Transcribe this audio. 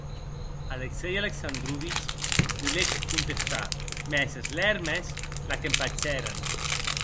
Alexei Alexandrovic volec contestar, mès es lèrmes l'ac empachèren.